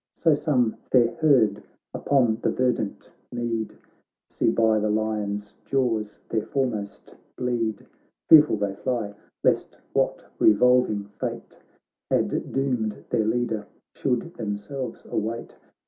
So some fair herd upon the verdant mead See by the lion's jaws their foremost bleed ; Fearful they fly, lest what revolving fate Had doomed their leader, should them selves await.